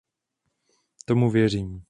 Tomu věřím.